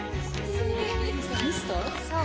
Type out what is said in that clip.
そう。